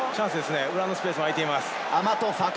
裏のスペースも空いています。